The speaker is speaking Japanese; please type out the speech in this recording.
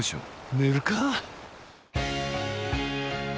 寝るか。